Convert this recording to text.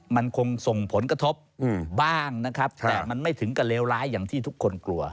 มันคงส่งผลกระทบบ้างนะครับแต่มันไม่ถึงกับเลวร้ายอย่างที่ทุกคนกลัว